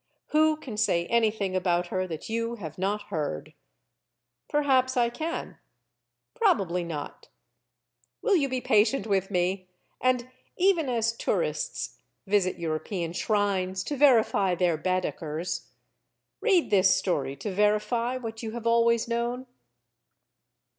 Who can say anything about her that you have not heard? Perhaps I can. Probably not. Will you be patient with me, and, even as tourists visit European shrines to verify their Baedekers, read this story to verify what you have always known?